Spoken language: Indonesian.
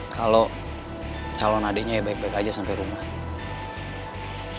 kalau calon adiknya baik baik aja sampe rumah